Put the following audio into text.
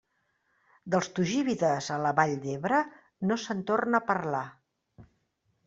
Dels tugíbides a la vall de l'Ebre no se'n torna a parlar.